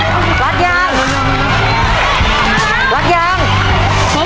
โกะไปรอชิมขนม